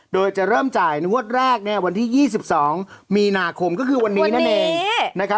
โดยจะเริ่มจ่ายงวดแรกวันที่๒๒มีนาคมก็คือวันนี้นั่นเอง